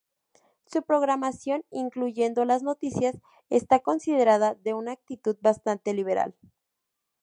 Su programación, incluyendo las noticias, está considerada de una actitud bastante liberal.